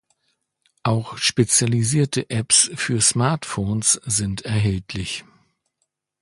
Auch spezialisierte Apps für Smartphones sind erhältlich.